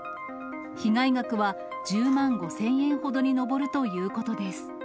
被害額は１０万５０００円ほどに上るということです。